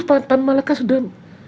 petan malak sudah